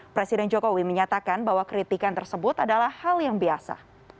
presiden jokowi menyatakan bahwa kritikan tersebut adalah hal yang biasa